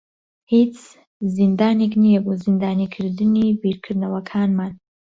هیچ زیندانێک نییە بۆ زیندانیکردنی بیرکردنەوەکانمان.